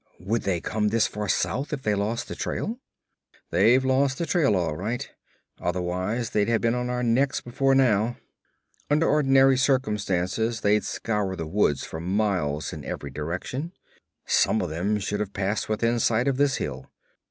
'Would they come this far south if they lost the trail?' 'They've lost the trail, all right; otherwise they'd have been on our necks before now. Under ordinary circumstances they'd scour the woods for miles in every direction. Some of them should have passed within sight of this hill.